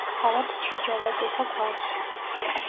თავად ჩიჯავაძეთა გვარში.